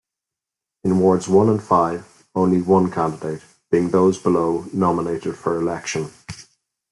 In Wards One and Five, only one candidate, being those below, nominated for election.